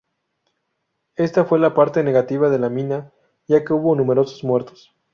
Esta fue la parte negativa de la mina, ya que hubo numerosos muertos.